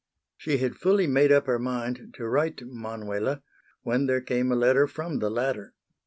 She had fully made up her mind to write to Manuela, when there came a letter from the latter.